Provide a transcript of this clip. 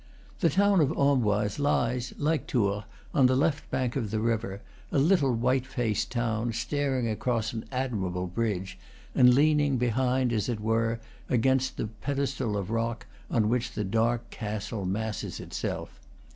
The town of Amboise lies, like Tours, on the left bank of the river, a little white faced town, staring across an admirable bridge, and leaning, behind, as it were, against the pedestal of rock on which the dark castle masses itself.